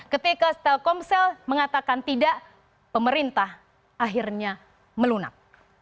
ketika telkomsel mengatakan tidak pemerintah akhirnya melunak